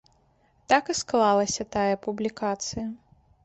Так і склалася тая публікацыя.